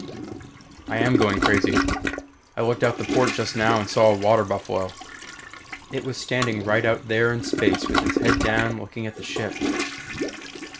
I am going crazy. I looked out the port just now and saw a water buffalo. It was standing right out there in space with its head down looking at the ship!